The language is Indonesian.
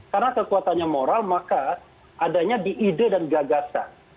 karena kekuatannya moral maka adanya di ide dan gagasan